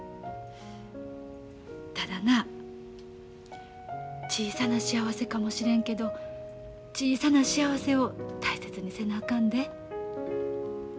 ただな小さな幸せかもしれんけど小さな幸せを大切にせなあかんで。